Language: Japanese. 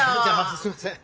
すいません。